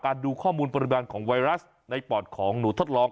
ดูข้อมูลปริมาณของไวรัสในปอดของหนูทดลอง